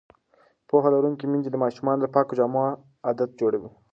پوهه لرونکې میندې د ماشومانو د پاکو جامو عادت جوړوي.